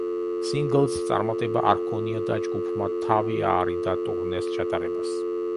სინგლს წარმატება არ ჰქონია და ჯგუფმა თავი აარიდა ტურნეს ჩატარებას.